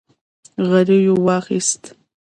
غريو واخيست.